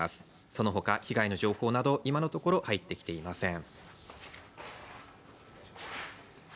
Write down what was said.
そのほか、被害の情報など、今のところ入ってきていません。